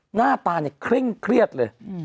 หน้าตาเคร่งเครียดเลย